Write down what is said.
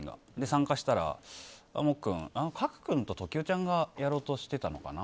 参加したらモッ君、賀来君と時生ちゃんがやろうとしてたのかな。